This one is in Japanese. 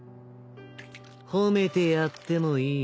ほめてやってもいい。